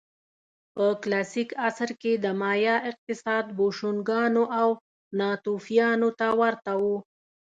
په کلاسیک عصر کې د مایا اقتصاد بوشونګانو او ناتوفیانو ته ورته و